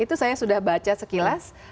itu saya sudah baca sekilas